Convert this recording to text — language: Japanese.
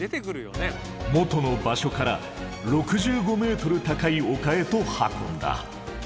元の場所から６５ｍ高い丘へと運んだ。